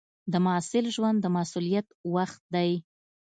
د محصل ژوند د مسؤلیت وخت دی.